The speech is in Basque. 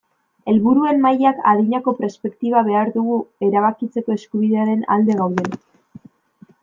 Helburuen mailak adinako perspektiba behar dugu erabakitzeko eskubidearen alde gaudenok.